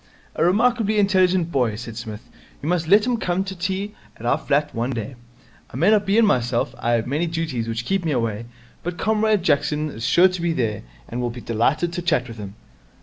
'A remarkably intelligent boy,' said Psmith. 'You must let him come to tea at our flat one day. I may not be in myself I have many duties which keep me away but Comrade Jackson is sure to be there, and will be delighted to chat with him.'